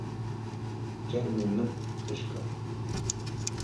Çermê min hişk e.